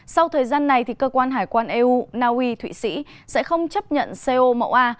sau thời gian này cơ quan hải quan eu naui thụy sĩ sẽ không chấp nhận co mẫu a